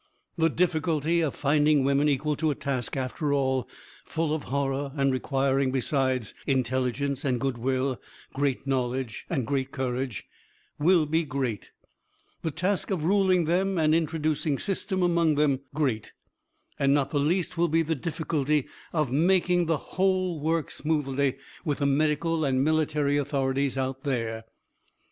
The difficulty of finding women equal to a task after all full of horror, and requiring, besides intelligence and goodwill, great knowledge and great courage will be great; the task of ruling them and introducing system among them great, and not the least will be the difficulty of making the whole work smoothly with the medical and military authorities out there.